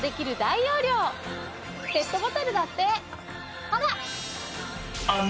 ペットボトルだってほら！